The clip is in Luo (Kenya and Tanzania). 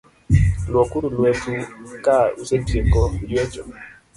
Lwok uru lwet u ka usetieko ywecho